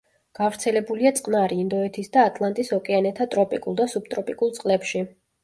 გავრცელებულია წყნარი, ინდოეთის და ატლანტის ოკეანეთა ტროპიკულ და სუბტროპიკულ წყლებში.